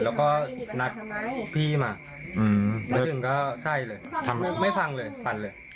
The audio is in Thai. แล้วก็นัดพี่มาอืมแล้วก็ใช่เลยทำไม่ฟังเลยฟันเลย